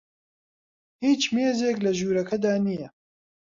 هیچ مێزێک لە ژوورەکەدا نییە.